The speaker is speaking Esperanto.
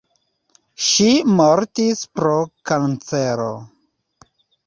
Ŝi mortis pro kancero.